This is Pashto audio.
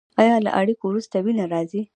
ایا له اړیکې وروسته وینه راځي؟